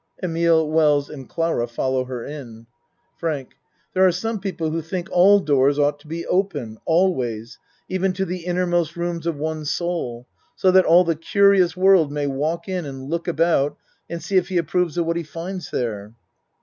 (Emile, Wells and Clara follow her in.) FRANK There are some people who think all doors ought to be open always even to the innermost rooms of one's soul so that all the curious world may walk in and look about and see if he approves of what he finds there.